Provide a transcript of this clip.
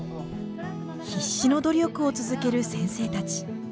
必死の努力を続ける先生たち。